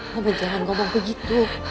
mama jangan ngomong begitu